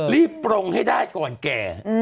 รีบโปร่งให้ได้ก่อนแก่